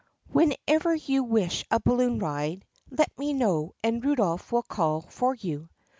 "Whenever you wish a balloon ride, let me know and Rudolph will call for you.